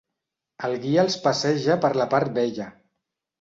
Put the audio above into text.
El guia els passeja per la part vella.